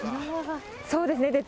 そうですね。